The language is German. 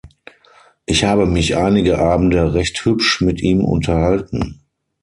Ich habe mich einige Abende recht hübsch mit ihm unterhalten.